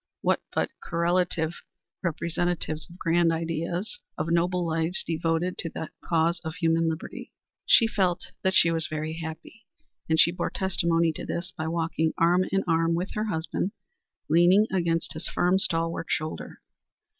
What but correlative representatives of grand ideas, of noble lives devoted to the cause of human liberty? She felt that she was very happy, and she bore testimony to this by walking arm in arm with her husband, leaning against his firm, stalwart shoulder.